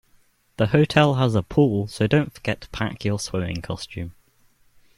The hotel has a pool, so don't forget to pack your swimming costume